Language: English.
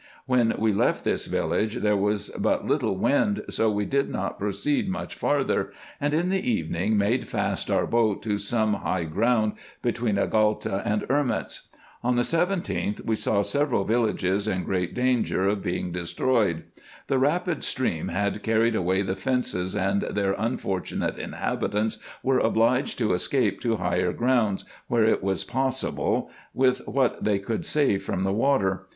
When we left this village there was but little wind, so we did not proceed much farther, and in the evening made fast our boat to some high ground between Agalta and Erments. On the 17th we saw several villages in great danger of being de IN EGYPT, NUBIA, &c. 301 stroyed. The rapid stream had carried away the fences, and their unfortunate inhabitants Avere obliged to escape to higher grounds, where it was possible, with what they could save from the water.